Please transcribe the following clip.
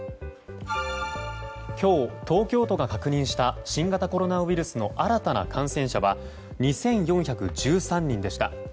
今日、東京都が確認した新型コロナウイルスの新たな感染者は２４１３人でした。